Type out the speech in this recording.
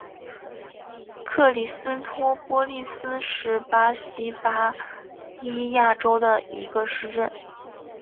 克里斯托波利斯是巴西巴伊亚州的一个市镇。